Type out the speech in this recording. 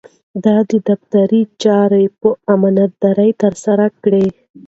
د دفتر چارې په امانتدارۍ ترسره کړئ.